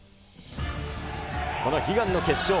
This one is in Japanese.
その悲願の決勝。